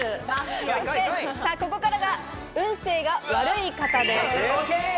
ここからが運勢が悪い方です。